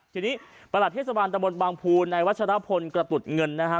ทีนี้ประหลัดเทศบาลตะบนบางภูนในวัชรพลกระตุดเงินนะฮะ